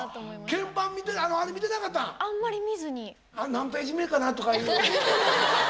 「何ページ目かな？」とかいう。